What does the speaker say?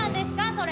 それ。